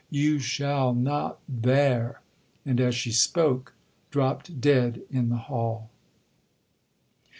—you shall not there!'—and as she spoke, dropt dead in the hall.